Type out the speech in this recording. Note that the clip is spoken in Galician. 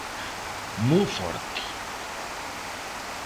Monforte.